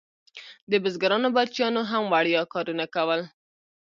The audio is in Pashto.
د بزګرانو بچیانو هم وړیا کارونه کول.